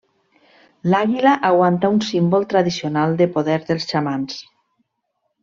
L'àguila aguanta un símbol tradicional de poder dels xamans.